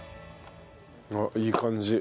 あっいい感じ。